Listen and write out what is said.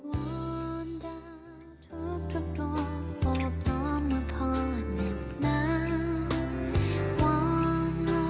วอนดาวทุกตัวโปรดล้อมเมื่อพอแหน่งน้ำ